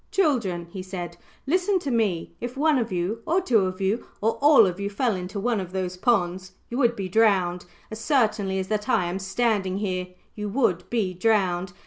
"Children," he said, "listen to me. If one of you, or two of you, or all of you fell into one of those ponds, you would be drowned as certainly as that I am standing here, you would be drowned.